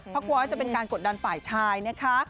เพราะกลัวว่าจะเป็นการกดดันฝ่ายชายนะคะ